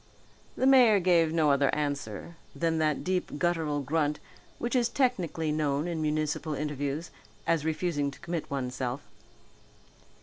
The mayor gave no other answer than that deep guttural grunt which is technically known in municipal interviews as refusing to commit oneself.